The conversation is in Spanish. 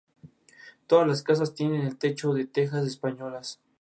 Fue el segundo sencillo de su álbum debut Rebelde.